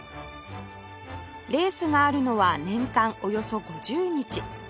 レースがあるのは年間およそ５０日